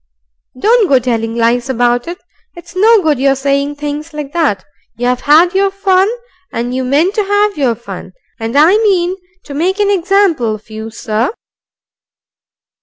Don't go telling lies about it. It's no good your saying things like that. You've had your fun, and you meant to have your fun. And I mean to make an example of you, Sir."